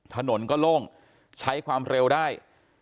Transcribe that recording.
ถนนก็โล่งใช้ความเร็วได้